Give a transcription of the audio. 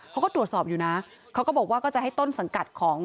เขาก็ตรวจสอบอยู่นะเขาก็บอกว่าก็จะให้ต้นสังกัดของ